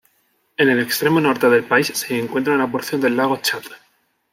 En el extremo norte del país se encuentra una porción del lago Chad.